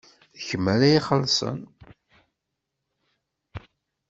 D kemm ara ixellṣen?